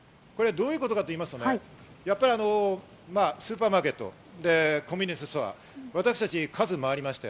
どういうことかと言いますと、やっぱりスーパーマーケット、コンビニエンスストア、私たち数を回りました。